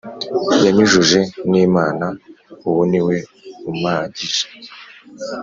Yanyujuje n’Imana uwo niwe umpagije